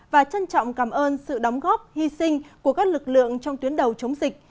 và trân trọng cảm ơn sự đóng góp hy sinh của các lực lượng trong tuyến đầu chống dịch